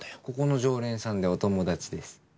ここの常連さんでお友達です。